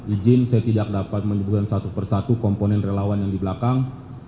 ijin saya tidak dapat menyebutkan satu persatu komponen relawan yang di belakang